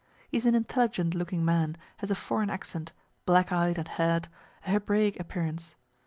He is an intelligent looking man, has a foreign accent, black eyed and hair'd, a Hebraic appearance.